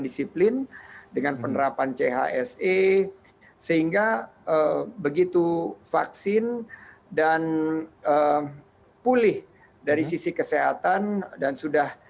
disiplin dengan penerapan chse sehingga begitu vaksin dan pulih dari sisi kesehatan dan sudah